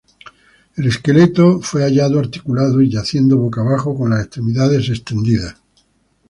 El esqueleto fue hallado articulado y yaciendo boca abajo, con las extremidades extendidas.